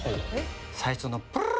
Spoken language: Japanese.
最初の。